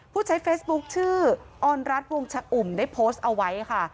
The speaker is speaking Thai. ผู้ใช้เฟซบุ๊คชื่อออนรัฐวงชะอุ่มได้โพสต์เอาไว้ค่ะ